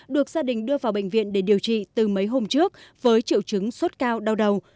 được gia đình đưa vào bệnh viện để điều trị từ mấy hôm trước với triệu chứng sốt cao đau đầu